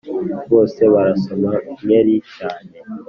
Bose barasoma nkeri cyane,